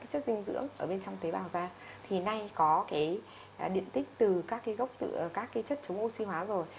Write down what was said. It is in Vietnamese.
các chất dinh dưỡng ở bên trong tế bào ra thì nay có điện tích từ các chất chống oxy hóa rồi